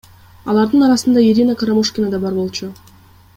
Алардын арасында Ирина Карамушкина да бар болчу.